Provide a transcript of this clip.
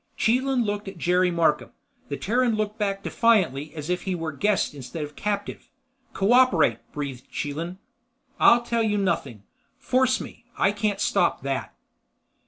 Chelan looked at Jerry Markham, the Terran looked back defiantly as if he were guest instead of captive. "Co operate," breathed Chelan. "I'll tell you nothing. Force me. I can't stop that."